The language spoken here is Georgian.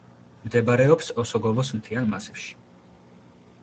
მდებარეობს ოსოგოვოს მთიან მასივში.